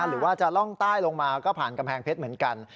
หรือว่าจะล่องใต้ลงมาก็ผ่านกำแพงเพชรเหมือนกัน